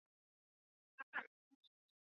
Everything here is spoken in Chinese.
大型蝴蝶。